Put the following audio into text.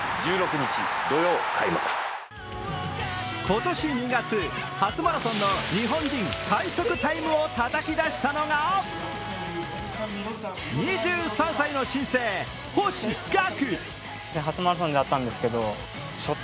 今年２月、初マラソンの日本人最速タイムをたたき出したのが２３歳の新星・星岳。